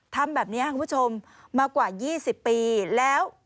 ทำแบบนี้คุณผู้ชมมากว่า๒๐ปีแล้ว